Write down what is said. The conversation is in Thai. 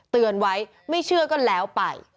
เตือนไว้ไม่เชื่อก็แล้วไป